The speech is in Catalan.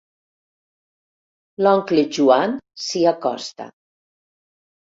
L'oncle Joan s'hi acosta.